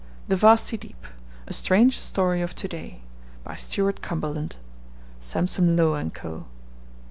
The Vasty Deep: A Strange Story of To day. By Stuart Cumberland. (Sampson Low and Co.)